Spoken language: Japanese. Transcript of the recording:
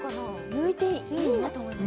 抜いていいんだと思います